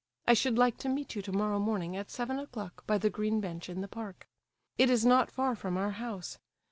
I should like to meet you tomorrow morning at seven o'clock by the green bench in the park. It is not far from our house.